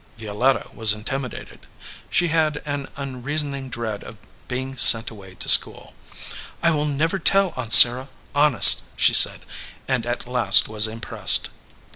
Violetta was intimidated. She had an unrea soning dread of being sent away to school. "I will never tell, Aunt Sarah, honest," she said, and at last was impressed.